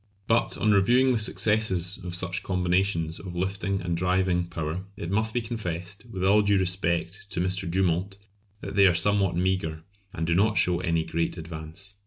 But on reviewing the successes of such combinations of lifting and driving power it must be confessed, with all due respect to M. Dumont, that they are somewhat meagre, and do not show any great advance.